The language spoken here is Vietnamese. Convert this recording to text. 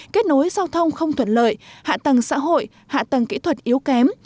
kết nối giao thông không thuận lợi hạ tầng xã hội hạ tầng kỹ thuật yếu kém